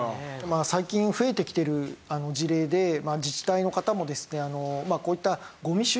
最近増えてきている事例で自治体の方もですねこういったごみ収集車で燃えたり。